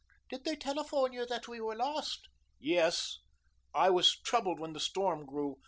"Did they telephone that we were lost?" "Yes. I was troubled when the storm grew.